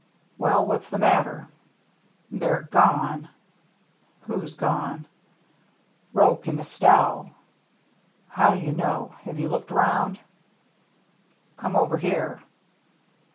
" WeU, what's the matter ?" "They're gone." "Who's gone?" " Roche and Estelle." " How do you know ? Have you looked around ?"" Come over here."